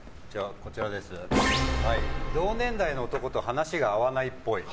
同年代の男と話が合わないっぽい。